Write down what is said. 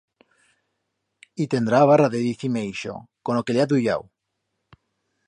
Y tendrá a barra de dicir-me ixo, con o que le he aduyau!